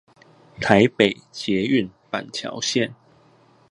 台北捷運板橋線